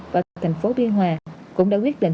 và thành phố biên hòa cũng đã quyết định